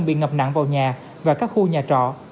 bị ngập nặng vào nhà và các khu nhà trọ